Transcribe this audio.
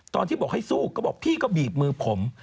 ตอนที่บอกให้สู้ก็บอกพี่ก็บีบมือผม